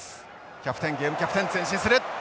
キャプテンゲームキャプテン前進する。